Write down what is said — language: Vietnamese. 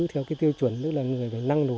theo cái tiêu chuẩn là người phải năng nổ